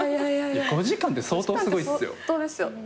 ５時間って相当すごいっすよ。